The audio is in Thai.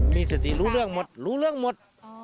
มีสติรู้เรื่องหมดรู้เรื่องหมด